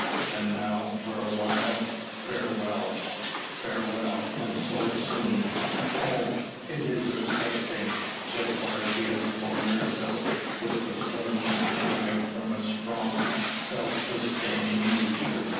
And now, for a while, farewell!" Farewell! And so soon. Oh! it is afflicting! So far she has borne herself with the firmness derived from a strong, self sustaining nature.